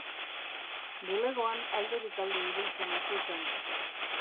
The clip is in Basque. Bulegoan alderik alde ibiltzen hasi zen.